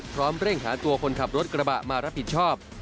เร่งหาตัวคนขับรถกระบะมารับผิดชอบ